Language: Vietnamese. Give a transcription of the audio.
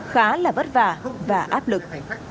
khá là vất vả và áp lực